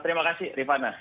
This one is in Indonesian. terima kasih rifwanah